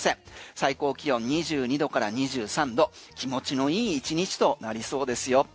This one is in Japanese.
最高気温２２度から２３度気持ちの良い１日となりそうですよ。